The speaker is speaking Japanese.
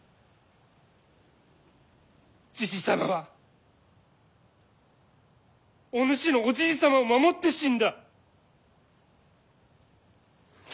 じじ様はお主のおじい様を守って死んだ。